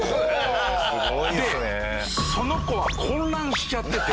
でその子は混乱しちゃってて。